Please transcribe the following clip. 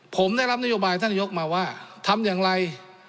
ผมได้รับนโยบายท่านนายกมาว่าทำอย่างไร